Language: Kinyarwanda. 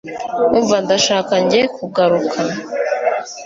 umva ndashaka njye kugaruka